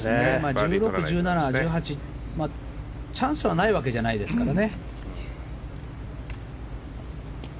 １６、１７、１８とチャンスがないわけじゃないですからね。